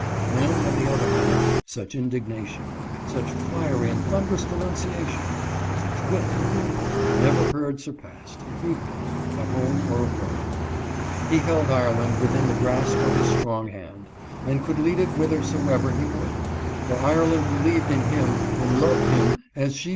— and, on the other hand, such in dignation, such fiery and thunderous denunciation, such wit and humor, I never heard surpassed, if equaled, at home or abroad. He held Ireland within the grasp of his strong hand, and could lead it whithersoever he would, for Ireland believed in him and loved him as she has 296 0. A.